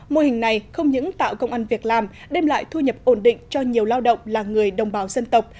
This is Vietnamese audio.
mô hình này không những tạo công an việc làm đem lại thu nhập ổn định cho nhiều lao động là người đồng bào dân tộc